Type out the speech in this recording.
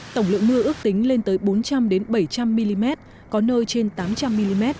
tổng lượng mưa ước tính lên tới bốn trăm linh bảy trăm linh mm có nơi trên tám trăm linh mm